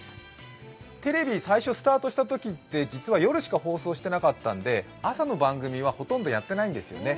テレビ最初スタートしたときって実は夜しか放送してなかったんで朝の番組はほとんどやってないんですよね。